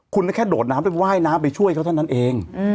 คุณแค่โดดน้ำไปว่ายน้ำไปช่วยเขาเท่านั้นเอง